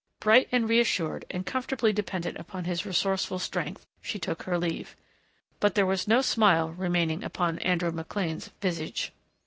Bright and reassured and comfortably dependent upon his resourceful strength, she took her leave. But there was no smile remaining upon Andrew McLean's visage.